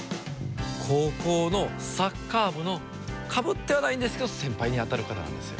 高校のサッカー部のかぶってはないんですけど先輩に当たる方なんですよ。